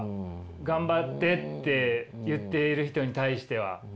頑張ってって言っている人に対しては。